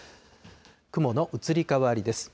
雲の移り変わりです。